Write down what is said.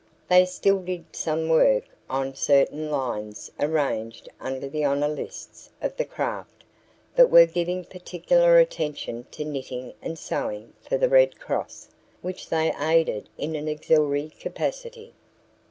They still did some work on certain lines arranged under the honor lists of the craft, but were giving particular attention to knitting and sewing for the Red Cross, which they aided in an auxiliary capacity.